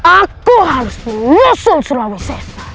aku harus menyusul surawis